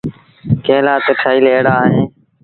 ڪݩهݩ لآ تا ٺهيٚل ايڙآ اوهيݩ۔